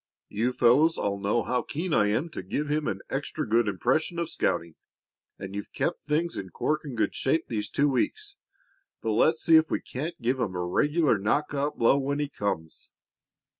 "You fellows all know how keen I am to give him an extra good impression of scouting, and you've kept things in corking good shape these two weeks. But let's see if we can't give him a regular knock out blow when he comes."